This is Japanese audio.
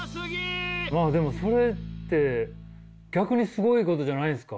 まあでもそれって逆にすごいことじゃないんですか？